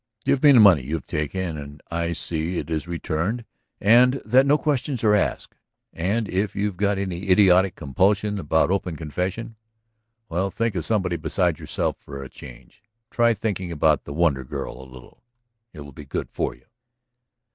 Give me the money you have taken; I shall see that it is returned and that no questions are asked. And if you've got any idiotic compulsion about open confession ... Well, think of somebody besides yourself for a change. Try thinking about the Wonder Girl a little, it will be good for you."